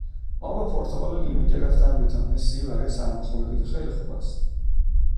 آب پرتقال و لیمو گرفتم ویتامین سی برای سرماخوردگی خیلی خوب است